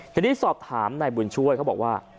ทีนี้สอบถามนายบุญช่วยเขาบอกว่า